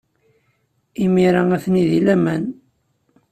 Imir-a, atni deg laman.